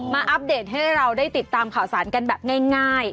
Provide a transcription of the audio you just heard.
อัปเดตให้เราได้ติดตามข่าวสารกันแบบง่าย